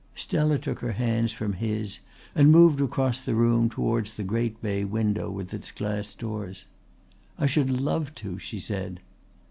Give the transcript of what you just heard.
Stella took her hands from his and moved across the room towards the great bay window with its glass doors. "I should love to," she said.